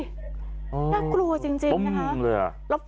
น่ากลัวจริงนะคะ